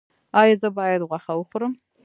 ایا زه باید غوښه وخورم؟